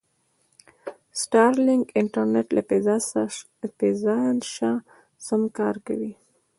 سټارلینک انټرنېټ له فضا شه سم کار کوي.